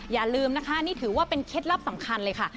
อย่าลืมนะคะนี่ถือว่าเป็นเคล็ดลับสำคัญเลยค่ะ